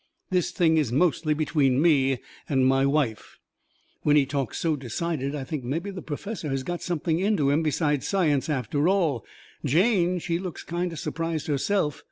This thing is mostly between me and my wife." When he talks so decided I thinks mebby that perfessor has got something into him besides science after all. Jane, she looks kind o' surprised herself.